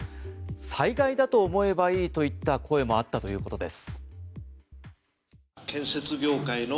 災害だと思えばいいといった声もあったということです。